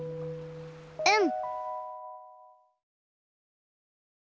うん。